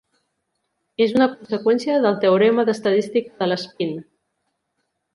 És una conseqüència del Teorema d'estadística de l'espín.